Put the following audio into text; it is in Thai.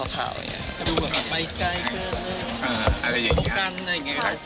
อะไร